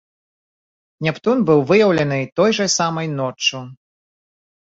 Нептун быў выяўлены той жа самай ноччу.